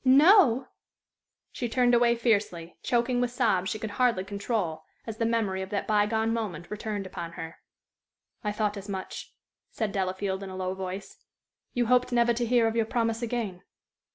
"Know!" She turned away fiercely, choking with sobs she could hardly control, as the memory of that by gone moment returned upon her. "I thought as much," said Delafield, in a low voice. "You hoped never to hear of your promise again."